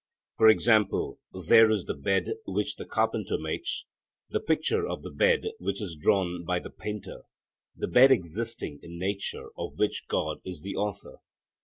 For example, there is the bed which the carpenter makes, the picture of the bed which is drawn by the painter, the bed existing in nature of which God is the author.